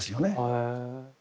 へえ。